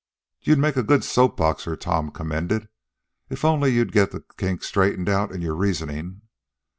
"You'd make a good soap boxer," Tom commended, "if only you'd get the kinks straightened out in your reasoning."